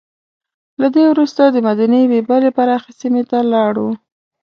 له دې وروسته دمدینې یوې بلې پراخې سیمې ته لاړو.